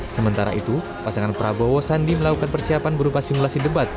sementara itu pasangan prabowo sandi melakukan persiapan berupa simulasi debat